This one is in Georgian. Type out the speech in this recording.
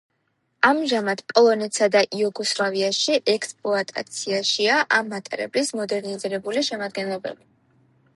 ამჟამად პოლონეთსა და იუგოსლავიაში ექსპლუატაციაშია ამ მატარებლის მოდერნიზებული შემადგენლობები.